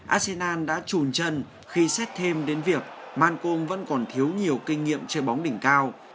arsenal đã trùn chân khi xét thêm đến việc man công vẫn còn thiếu nhiều kinh nghiệm chơi bóng đỉnh cao